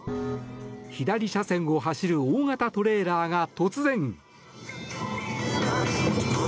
左車線を走る大型トレーラーが突然。